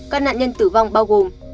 các nạn nhân tử vong bao gồm